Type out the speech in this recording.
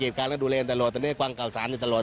แล้วอุปกรณ์หรือว่าเครื่องใช้ต่างในโรงพยาบาลที่รับผลประทบ